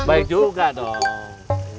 baik juga dong